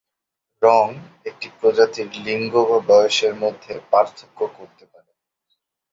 রঙ একটি প্রজাতির লিঙ্গ বা বয়সের মধ্যে পার্থক্য করতে পারে।